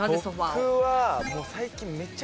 僕は。